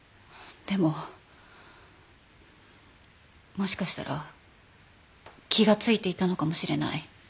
もしかしたら気がついていたのかもしれない。